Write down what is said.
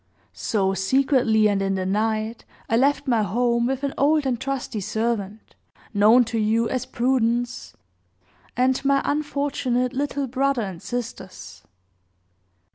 So, secretly, and in the night, I left my home, with an old and trusty servant, known to you as Prudence, and my unfortunate, little brother and sisters.